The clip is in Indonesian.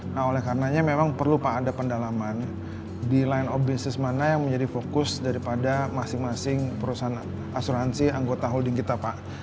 nah oleh karenanya memang perlu pak ada pendalaman di line of business mana yang menjadi fokus daripada masing masing perusahaan asuransi anggota holding kita pak